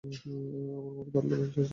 আমার মত পাল্টে ফেলেছি।